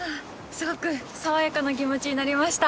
すごく爽やかな気持ちになりました。